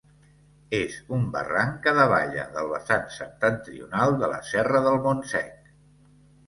És un barranc que davalla del vessant septentrional de la Serra del Montsec.